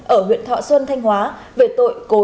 ở huyện thọ xuân thanh hóa về tội vụ tội phạm công an